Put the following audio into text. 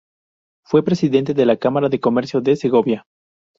Fue presidente de la Cámara de Comercio de Segovia.